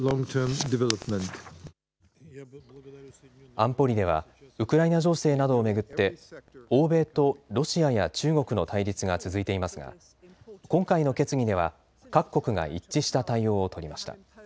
安保理ではウクライナ情勢などを巡って欧米とロシアや中国の対立が続いていますが今回の決議では各国が一致した対応を取りました。